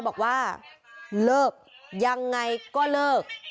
หัวฟาดพื้น